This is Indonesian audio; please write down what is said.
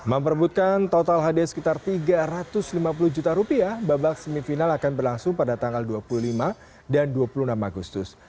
memperbutkan total hadiah sekitar tiga ratus lima puluh juta rupiah babak semifinal akan berlangsung pada tanggal dua puluh lima dan dua puluh enam agustus